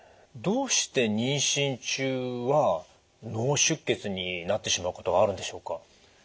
どうして妊娠中は脳出血になってしまうことがあるんでしょうか？